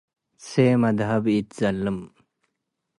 ሰመ ደሀብ ኢትዘልም።